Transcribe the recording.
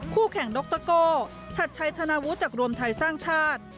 คู่แข่งดรโก้ชัดชัยธนาวุฒิจากรวมไทยสร้างชาติ